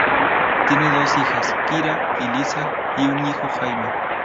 Tienen dos hijas, Kyra y Liza, y un hijo, Jaime.